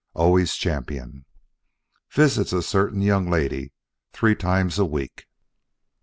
Always champion. Visits a certain young lady three times a week.